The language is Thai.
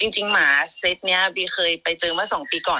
หมาเซตนี้บีเคยไปเจอเมื่อ๒ปีก่อน